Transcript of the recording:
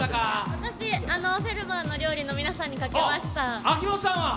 私、「フェルマーの料理」の皆さんに賭けました。